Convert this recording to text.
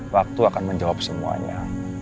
waktu akan menjawab semuanya